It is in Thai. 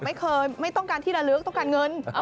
ไม่ต้องการที่ระลึกต้องการเงิน